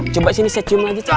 coba sini saya cium aja ceng